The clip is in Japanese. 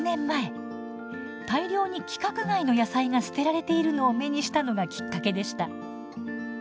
大量に規格外の野菜が捨てられているのを目にしたのがきっかけでした。